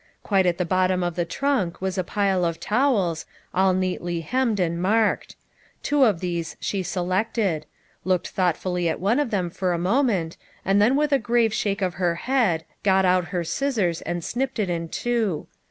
Quite at the bottom of the trunk was a pile of towels, all neatly hemmed and marked. Two of these she selected ; looked thoughtfully at one of them for a moment, and then with a grave shake of her head, got out her scissors and snipped.it in two.